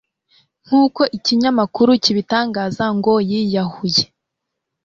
nk'uko ikinyamakuru kibitangaza ngo yiyahuye